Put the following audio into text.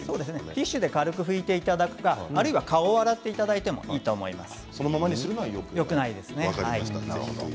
ティッシュで軽く拭いていただくか、あるいは顔を拭いてそのままにするのはよくないです。